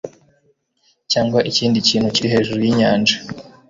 cyangwa ikindi kintu kiri hejuru yinyanja